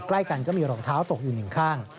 ใกล้กันก็มีรองเท้าตกอยู่หนึ่งข้าง